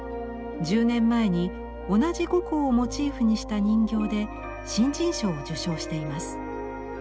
１０年前に同じ呉公をモチーフにした人形で新人賞を受賞しています。